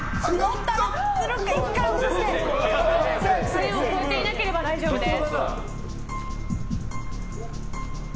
線を越えていなければ大丈夫です。